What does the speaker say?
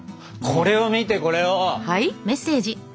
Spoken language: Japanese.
これを見てこれを。はい？